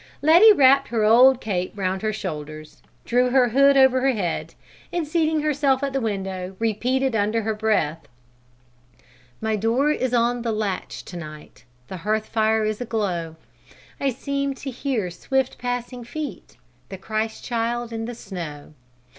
Letty wrapped her old cape round her shoulders, drew her hood over her head, and seating herself at the window repeated under her breath: "My door is on the latch to night, The hearth fire is aglow. I seem to hear swift passing feet, The Christ Child in the snow.